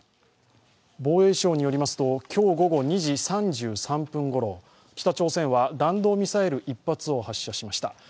防衛省によりますと、今日午後２時３３分ごろ、北朝鮮は弾道ミサイル１発を発射しました。